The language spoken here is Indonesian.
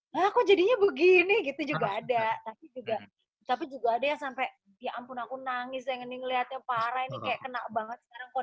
mereka akan mencari penyanyi yang lebih menarik dari yang mereka lakukan